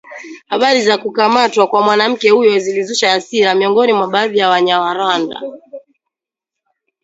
Habari za kukamatwa kwa mwanamke huyo zilizusha hasira miongoni mwa baadhi ya Wanyarwanda